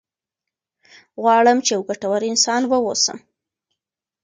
غواړم چې یو ګټور انسان واوسم.